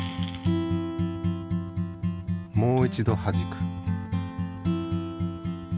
もう一度はじく。